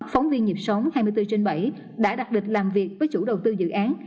phóng viên nhịp sống hai mươi bốn trên bảy đã đặc định làm việc với chủ đầu tư dự án